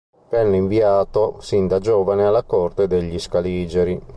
Venne inviato sin da giovane alla corte degli Scaligeri.